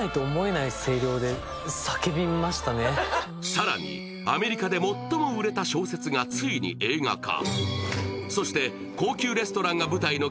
更にアメリカで最も売れた小説がついに映画化。